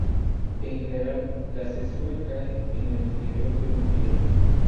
En general, la cesura cae en el interior de un pie.